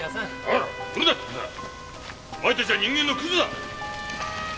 お前たちは人間のクズだ。